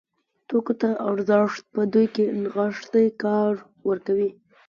توکو ته ارزښت په دوی کې نغښتی کار ورکوي.